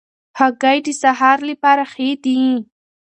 هګۍ د سهار لپاره ښې دي.